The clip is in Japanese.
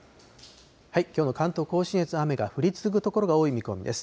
きょうの関東甲信越、雨が降り続く所が多い見込みです。